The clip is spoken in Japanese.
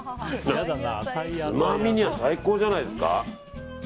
つまみには最高じゃないですか。